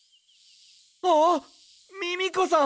ああっミミコさん！